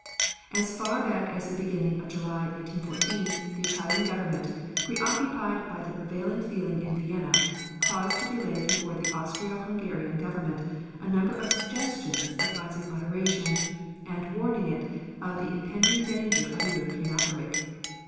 "As far back as the beginning of July, 1914, the Italian Government, preoccupied by the prevailing feeling in Vienna, caused to be laid before the Austro Hungarian Government a number of suggestions advising moderation, and warning it of the impending danger of a European outbreak.